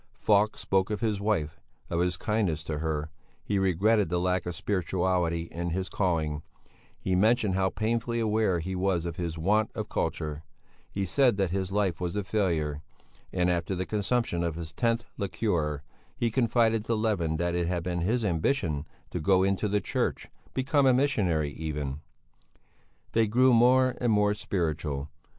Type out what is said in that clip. Falk spoke of his wife; of his kindness to her; he regretted the lack of spirituality in his calling; he mentioned how painfully aware he was of his want of culture; he said that his life was a failure; and after the consumption of his tenth liqueur, he confided to Levin that it had been his ambition to go into the church, become a missionary, even. They grew more and more spiritual.